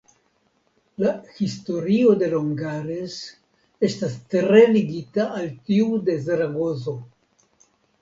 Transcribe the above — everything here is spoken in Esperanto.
La historio de Longares estas tre ligita al tiu de Zaragozo.